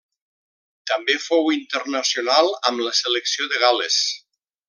També fou internacional amb la selecció de Gal·les.